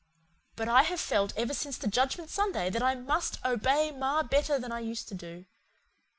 But I have felt, ever since the Judgment Sunday that I MUST OBEY MA BETTER than I used to do.